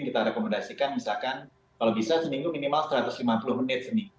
kita rekomendasikan misalkan kalau bisa seminggu minimal satu ratus lima puluh menit semi